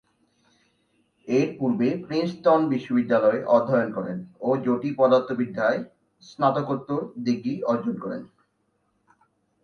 এরপূর্বে প্রিন্সটন বিশ্ববিদ্যালয়ে অধ্যয়ন করেন ও জ্যোতিপদার্থবিদ্যায় স্নাতকোত্তর ডিগ্রী অর্জন করেন।